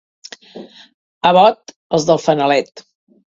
A Bot, els del fanalet.